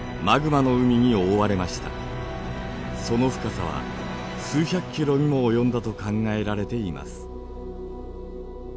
その深さは数百キロにも及んだと考えられています。